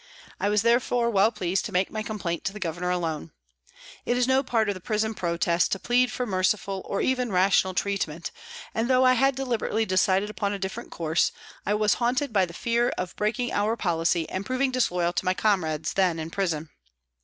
I was therefore well pleased to make my complaint to the Governor alone. It is no part of the prison protest to plead for merciful or even rational treat ment, and though I had deliberately decided upon a different course, I was haunted by the fear of breaking our policy and proving disloyal to my comrades then in prison.